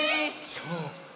そう。